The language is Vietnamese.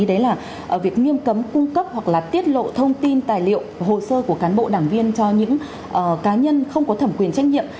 đấy là việc nghiêm cấm cung cấp hoặc là tiết lộ thông tin tài liệu hồ sơ của cán bộ đảng viên cho những cá nhân không có thẩm quyền trách nhiệm